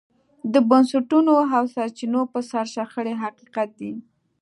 د بنسټونو او سرچینو پر سر شخړې حقیقت دی.